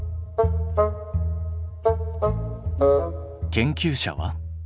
研究者は？